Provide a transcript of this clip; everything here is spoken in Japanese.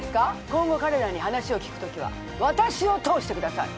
今後彼らに話を聞くときは私を通してください